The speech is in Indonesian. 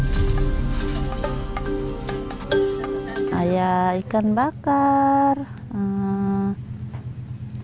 sebagai masyarakat pencari hasil laut mereka paham betul bagaimana mengolah ikan